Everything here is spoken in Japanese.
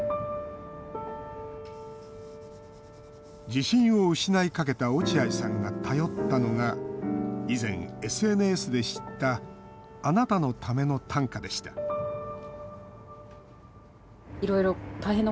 自信を失いかけた落合さんが頼ったのが以前、ＳＮＳで知った「あなたのための短歌」でした依頼を受けた木下さん。